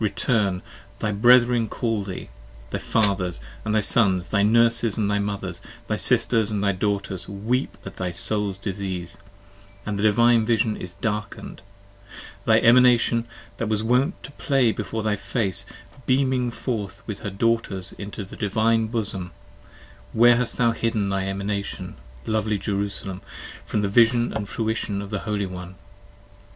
return! Thy brethren call thee, and thy fathers, and thy sons, Thy nurses and thy mothers, thy sisters and thy daughters Weep at thy soul's disease, and the Divine Vision is darken'd : Thy Emanation that was wont to play before thy face, 15 Beaming forth with her daughters into the Divine bosom, Where hast thou hidden thy Emanation lovely Jerusalem From the vision and fruition of the Holy one?